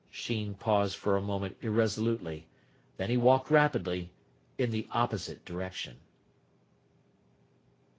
Sheen paused for a moment irresolutely. Then he walked rapidly in the opposite direction.